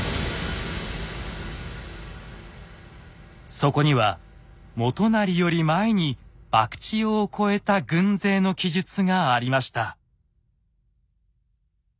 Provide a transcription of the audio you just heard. そこには元就より前に博打尾を越えた軍勢の記述がありました。